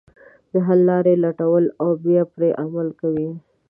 د حل لارې لټوي او بیا پرې عمل کوي.